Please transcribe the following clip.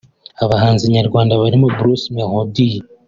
Abahanzi nyarwanda barimo Bruce Melodie